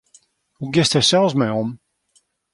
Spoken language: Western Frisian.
Hoe giest dêr sels mei om?